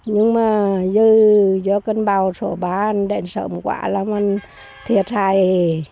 nhưng mà do cơn bão số ba đèn sợ quá là thiệt hại